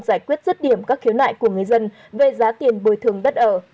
giải quyết rứt điểm các khiếu nại của người dân về giá tiền bồi thường đất ở